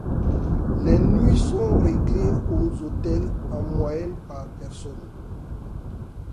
Les nuités sont réglées aux hôtels en moyenne par personne.